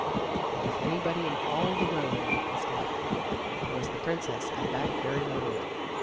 And if anybody in all of the world was glad, it was the princess at that very moment.